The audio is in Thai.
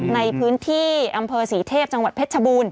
ในพื้นที่อำเภอศรีเทพจังหวัดเพชรชบูรณ